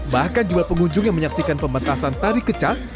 bahkan jumlah pengunjung yang menyaksikan pembentasan tarik kecak